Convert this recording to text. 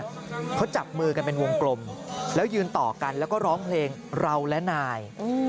เขาจับมือกันเป็นวงกลมแล้วยืนต่อกันแล้วก็ร้องเพลงเราและนาย